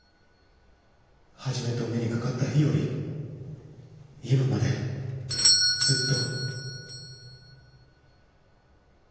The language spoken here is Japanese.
初めてお目にかかった日より今までずっと。